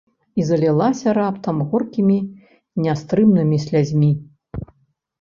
І залілася раптам горкімі нястрымнымі слязьмі.